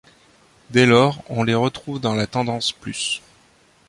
Dès lors, on les retrouve dans la Tendance Plus.